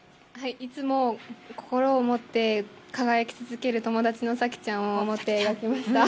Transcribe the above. いつも心を持って輝き続ける友達のさきちゃん思って描きました。